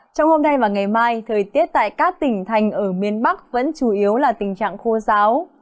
trong hôm nay và ngày mai thời tiết tại các tỉnh thành ở miền bắc vẫn chủ yếu là tình trạng khô giáo